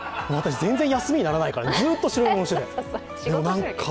全然休みにならないからずっと見てて。